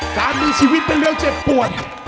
การมีชีวิตเป็นเรื่องเจ็บปวด